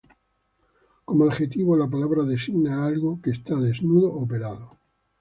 Como adjetivo, la palabra designa a algo que está desnudo o pelado.